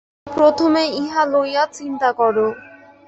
প্রথমে ইহা লইয়া চিন্তা কর।